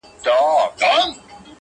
ویل تم سه چي بېړۍ دي را رسیږي-